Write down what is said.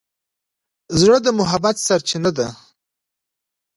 زړه د محبت سرچینه ده.